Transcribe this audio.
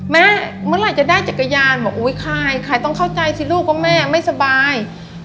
เมื่อไหร่จะได้จักรยานบอกอุ๊ยใครใครต้องเข้าใจสิลูกว่าแม่ไม่สบาย